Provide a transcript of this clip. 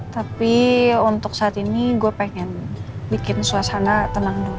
tapi untuk saat ini gue pengen bikin suasana tenang dulu